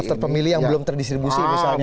daftar pemilih yang belum terdistribusi misalnya